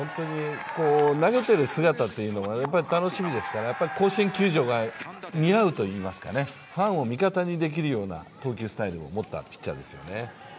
投げてる姿というのが楽しみですから、甲子園球場が似合うといいますか、ファンを味方にできるような投球スタイルを持ったピッチャーですよね。